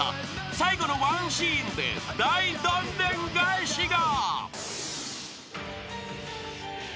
［最後のワンシーンで大どんでん返しが］